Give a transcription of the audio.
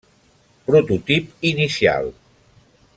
Prototip inicial.